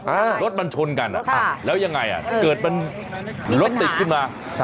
รถมันชนกันอ่ะอ่าแล้วยังไงอ่ะเกิดมันรถติดขึ้นมาใช่